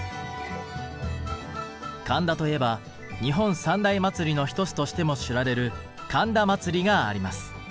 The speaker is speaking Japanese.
神田といえば日本三大祭りの一つとしても知られる神田祭があります。